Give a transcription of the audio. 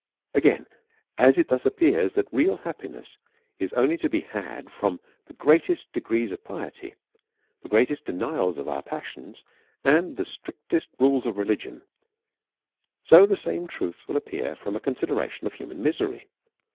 Again, as it thus appears that real happiness is only to be had from the greatest degrees of piety, the great est denials of our passions, and the strictest rules of religion, so the same truth will appear from a consi deration of human misery.